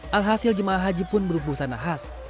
alhasil jemaah haji pun berubusan ahas